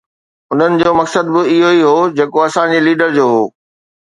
انهن جو مقصد به اهو ئي هو جيڪو اسان جي ليڊر جو هو